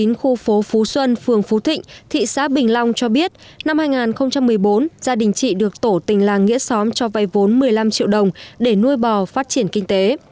khu phố phú xuân phường phú thịnh thị xã bình long cho biết năm hai nghìn một mươi bốn gia đình chị được tổ tình làng nghĩa xóm cho vay vốn một mươi năm triệu đồng để nuôi bò phát triển kinh tế